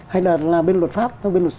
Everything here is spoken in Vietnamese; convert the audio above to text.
hay là bên luật pháp